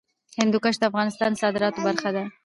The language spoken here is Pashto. هندوکش د افغانستان د صادراتو برخه ده.